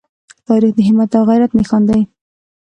تاریخ د همت او غیرت نښان دی.